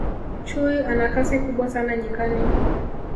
chui ana Kasi kubwa sana nyikani